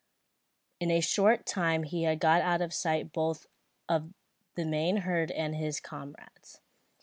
In a short time he had got out of sight both of the main herd and his comrades.